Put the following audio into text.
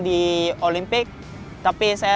di olympia tapi